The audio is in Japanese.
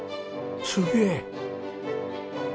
すげえ！